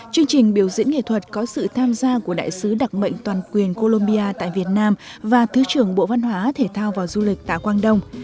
chương trình biểu diễn nghệ thuật có sự tham gia của đại sứ đặc mệnh toàn quyền colombia tại việt nam và thứ trưởng bộ văn hóa thể thao và du lịch tạ quang đông